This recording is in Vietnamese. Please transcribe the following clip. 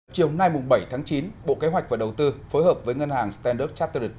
chiều nay bảy tháng chín bộ kế hoạch và đầu tư phối hợp với ngân hàng standard charterit